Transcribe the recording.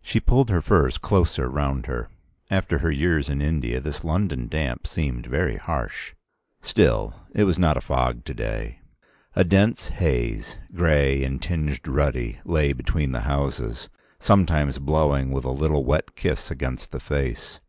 She pulled her furs closer round her; after her years in India this London damp seemed very harsh. Still, it was not a fog to day. A dense haze, gray and tinged ruddy, lay between the houses, sometimes blowing with a little wet kiss against the face.